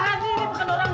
iya ke rumah kak akin